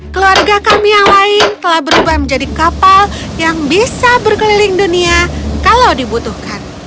keluarga kami yang lain telah berubah menjadi kapal yang bisa berkeliling dunia kalau dibutuhkan